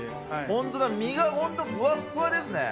本当だ、身が本当、ふわっふわですね。